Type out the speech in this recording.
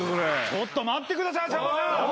ちょっと待ってくださいさんまさん。